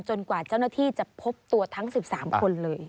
กว่าเจ้าหน้าที่จะพบตัวทั้ง๑๓คนเลย